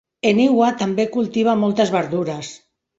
Eniwa també cultiva moltes verdures.